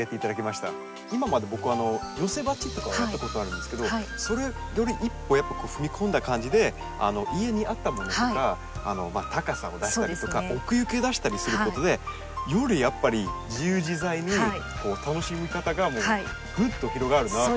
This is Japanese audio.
今まで僕は寄せ鉢とかはやったことあるんですけどそれより一歩やっぱ踏み込んだ感じで家にあったものとか高さを出したりとか奥行きを出したりすることでよりやっぱり自由自在に楽しみ方がぐっと広がるなと思って。